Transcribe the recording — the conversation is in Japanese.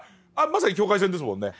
まさに境界線ですもんね。